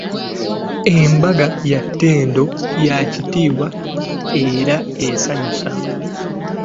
"Embaga ya ttendo, ya kitiibwa era esanyusa."